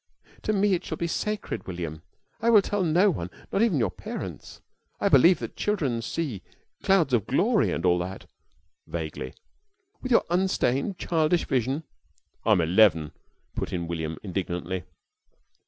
"To me it shall be sacred, William. I will tell no one not even your parents. I believe that children see clouds of glory and all that," vaguely. "With your unstained childish vision " "I'm eleven," put in William indignantly.